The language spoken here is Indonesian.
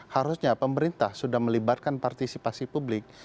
harusnya pemerintah sudah melibatkan partisipasi publik